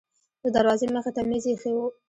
د دروازې مخې ته میز ایښی و.